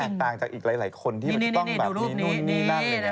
ซึ่งแตกต่างจากอีกหลายคนที่ต้องแบบนี้นู่นนี่นั่นเนี่ย